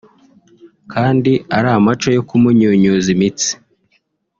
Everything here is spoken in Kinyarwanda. kandi ari amaco yo kumunyunyuza imitsi